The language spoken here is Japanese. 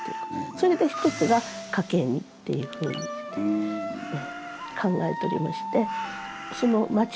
それで一つが家計にっていうふうにして考えておりまして。